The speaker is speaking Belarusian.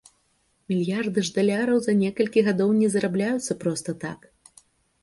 Мільярды ж даляраў за некалькі гадоў не зарабляюцца проста так.